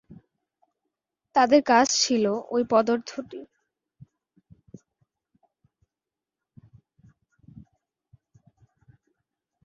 তাদের কাজ ছিল ঐ পদার্থটি পৃথক করা ও প্রস্তুত করার জন্য গবেষণা করা।